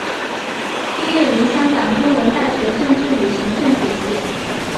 毕业于香港中文大学政治与行政学系。